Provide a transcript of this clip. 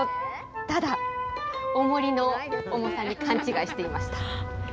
ただ、おもりの重さに勘違いしてました。